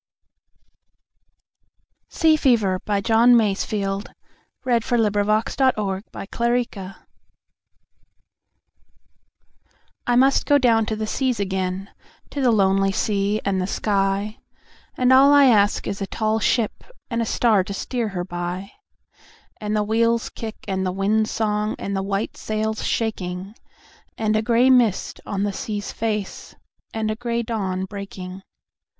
C D . E F . G H . I J . K L . M N . O P . Q R . S T . U V . W X . Y Z Sea Fever I MUST down to the seas again, to the lonely sea and the sky, And all I ask is a tall ship and a star to steer her by, And the wheel's kick and the wind's song and the white sail's shaking, And a gray mist on the sea's face, and a gray dawn breaking.